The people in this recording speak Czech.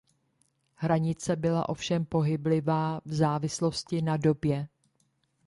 Hranice byla ovšem pohyblivá v závislosti na době.